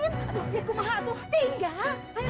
aduh biar kemahak tuh tinggal